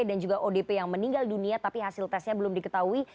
dan juga odp yang meninggal dunia tapi hasil testnya belum diketahui